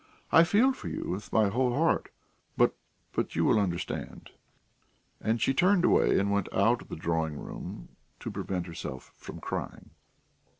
"I feel for you with my whole heart, but ... but you will understand...." And she turned away and went out of the drawing room to prevent herself from crying.